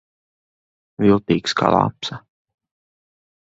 Viltīgs kā lapsa.